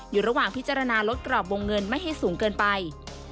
อยู่ระหว่างพิจารณาลดกรอบวงเงินไม่ให้สูงเกินไป